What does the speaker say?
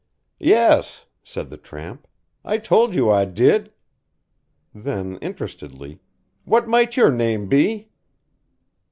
"Yes," said the tramp. "I told you I did." Then interestedly, "What might your name be?"